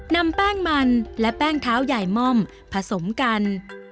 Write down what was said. นำแป้งมันและแป้งเท้าใหญ่ม่อมผสมกัน